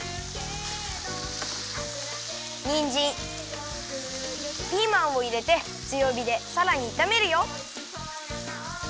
にんじんピーマンをいれてつよびでさらにいためるよ。